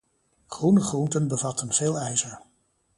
Groene groenten bevatten veel ijzer